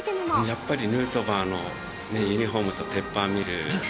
やっぱりヌートバーのユニホームとペッパーミル。